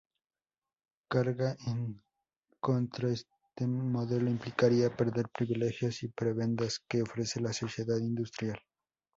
Cargar contra ese modelo implicaría perder privilegios y prebendas que ofrece la sociedad industrial.